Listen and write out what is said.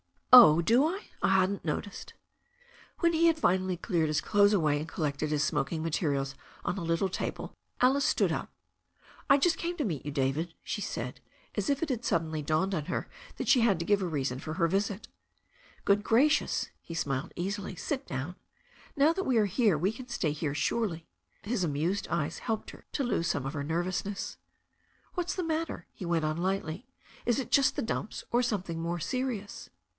"Oh, do I? I hadn't noticed." When he had finally cleared his clothes away and col lected his smoking materials on a little table, Alice stood up. "I just came to meet you, David," she said, as if it had suddenly dawned on her that she had to give a reason for her visit. "Good gracious," — ^he smiled easily — "sit down. Now that we are here we can stay here surely." His amused eyes helped her to lose some of her nervousness. "What's the matter?" he went on lightly. "Is it just the dumps, or something more serious?"